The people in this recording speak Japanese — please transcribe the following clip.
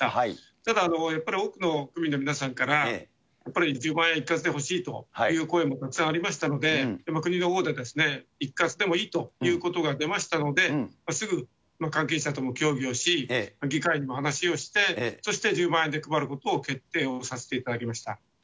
ただ、やっぱり多くの区民の皆さんから、やっぱり１０万円一括で欲しいという声もたくさんありましたので、国のほうで一括でもいいということが出ましたので、すぐ関係者とも協議をし、議会にも話をして、そして１０万円で配ることを決定をさせていただきました。